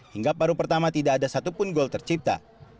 hingga paru pertama tidak ada satu pun gol tercipta